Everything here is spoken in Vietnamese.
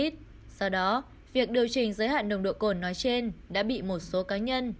sau đó việc điều chỉnh giới hạn nồng độ cồn nói trên đã bị một số cá nhân